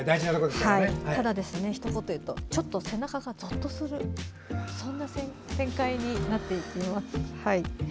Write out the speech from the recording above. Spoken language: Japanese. ただ、ひと言いうとちょっと背中がゾッとする展開になっていきます。